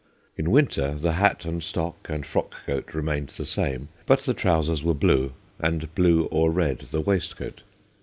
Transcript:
In winter the hat and stock and frock coat remained the same, but the trousers were blue, and blue or red the waistcoat.